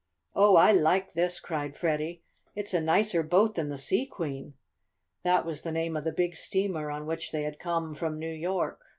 "Oh, I like this!" cried Freddie. "It's a nicer boat than the Sea Queen!" This was the name of the big steamer on which they had come from New York.